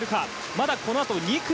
まだこのあと２組。